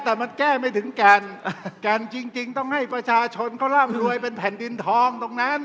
แต่มันแก้ไม่ถึงแก่นแก่นจริงต้องให้ประชาชนเขาร่ำรวยเป็นแผ่นดินทองตรงนั้น